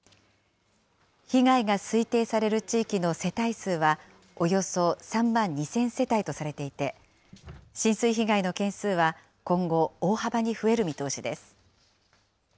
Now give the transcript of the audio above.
被害が推定される地域の世帯数はおよそ３万２０００世帯とされていて、浸水被害の件数は今後、大幅に増える見通しです。